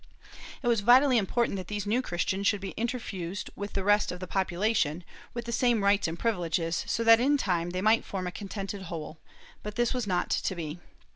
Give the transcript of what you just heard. It was vitally important that these New Christians should be interfused with the rest of the population, with the same rights and privileges, so that in time they might form a contented whole, but this was not to be.